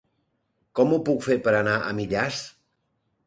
Com ho puc fer per anar a Millars?